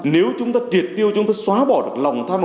nếu chúng ta triệt tiêu chúng ta xóa bỏ lòng tham